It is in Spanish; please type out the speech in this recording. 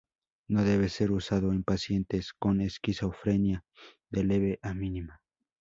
No debe ser usado en pacientes con esquizofrenia de leve a mínima.